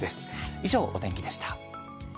以上、お天気でした。